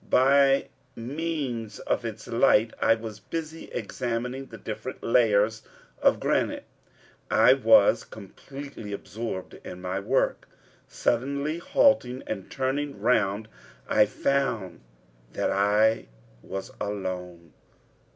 By means of its light I was busy examining the different layers of granite. I was completely absorbed in my work. Suddenly halting and turning round, I found that I was alone!